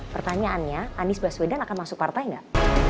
pertanyaannya anies baswedan akan masuk partai nggak